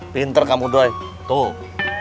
pinter kamu doi tuh